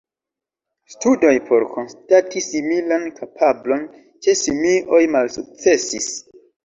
Studoj por konstati similan kapablon ĉe simioj malsukcesis.